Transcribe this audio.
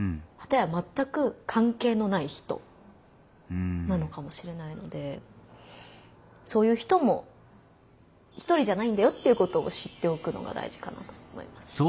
かたやまったく関係のない人なのかもしれないのでそういう人も一人じゃないんだよっていうことを知っておくのが大事かなと思います。